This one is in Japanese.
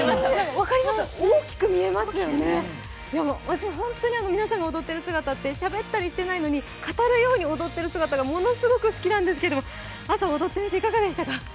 分かります、大きく見えますよね、本当に皆さんが踊っている姿ってしゃべったりしてないのに語るように踊ってる姿がものすごく好きなんですけれども、朝、踊ってみて、いかがでしたか？